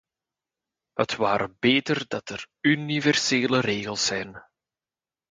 Het ware beter dat er universele regels zijn.